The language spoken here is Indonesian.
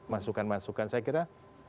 masukan masukan saya kira